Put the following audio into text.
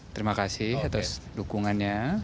terima kasih atas dukungannya